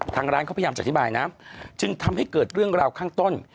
ทางร้านเขาพยายามจะอธิบายนะจึงทำให้เกิดเรื่องราวข้างต้น